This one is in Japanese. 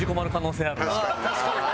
確かにな。